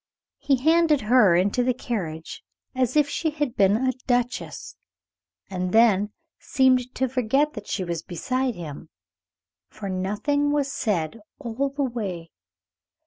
He handed her into the carriage as if she had been a duchess, and then seemed to forget that she was beside him; for nothing was said all the way.